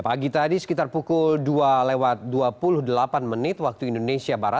pagi tadi sekitar pukul dua lewat dua puluh delapan menit waktu indonesia barat